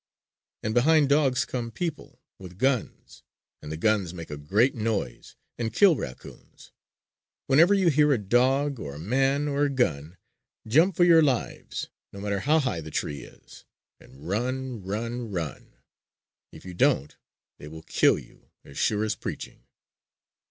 And behind dogs come people, with guns, and the guns make a great noise, and kill raccoons. Whenever you hear a dog, or a man, or a gun, jump for your lives no matter how high the tree is, and run, run, run! If you don't they will kill you as sure as preaching!"